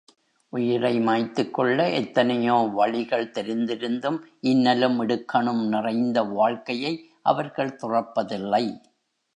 உயிரை மாய்த்துக் கொள்ள எத்தனையோ வழிகள் தெரிந்திருந்தும், இன்னலும் இடுக்கணும் நிறைந்த வாழ்க்கையை அவர்கள் துறப்பதில்லை.